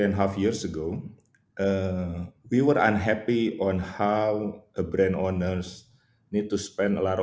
orang jualan besar di indonesia dengan harga yang tidak terbaik untuk mereka dan di atas itu